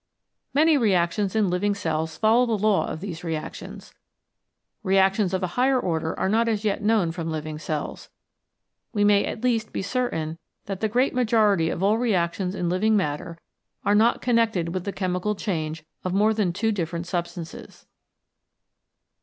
Many reactions in living cells follow the law of these reactions. Reactions of a higher order are not as yet known from living cells. We may at least be certain that the great majority of all reactions in living matter are not connected with the chemical change of more than two different substances.